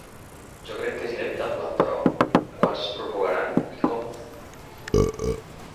Jo crec que és inevitable, però, quants es prorrogaran i com?